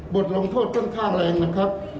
บทลงโทษก็ค่าแรงนะครับ